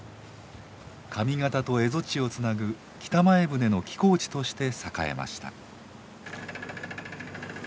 上方と蝦夷地をつなぐ北前船の寄港地として栄えました。